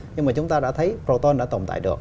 nhưng mà chúng ta đã thấy proton đã tồn tại được